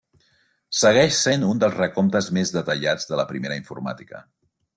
Segueix sent un dels recomptes més detallats de la primera informàtica.